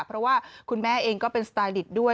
เพราะว่าคุณแม่เองก็เป็นสไตลิตด้วย